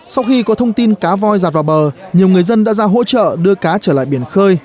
sau khi có thông tin cá voi giạt vào bờ nhiều người dân đã ra hỗ trợ đưa cá trở lại biển khơi